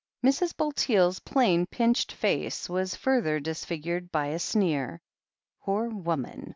Mrs. Bulteel's plain, pinched face was further dis figured by a sneer. "Poor woman!"